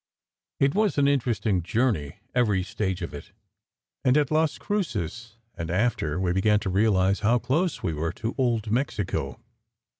It was an interesting journey, every stage of it; and at Las Cruces and after, we began to realize how close we were to old Mexico.